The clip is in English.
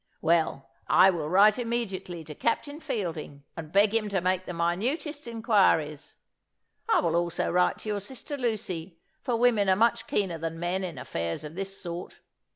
"Well, I will write immediately to Captain Fielding, and beg him to make the minutest inquiries. I will also write to your sister Lucy, for women are much keener than men in affairs of this sort.